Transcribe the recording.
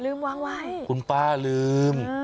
วางไว้คุณป้าลืม